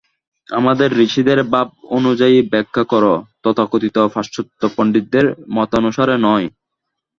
আমাদের ঋষিদের ভাবানুযায়ী ব্যাখ্যা কর, তথাকথিত পাশ্চাত্য পণ্ডিতদের মতানুসারে নয়।